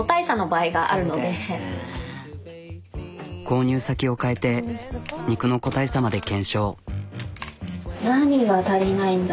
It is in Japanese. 購入先を変えて肉の個体差まで検証。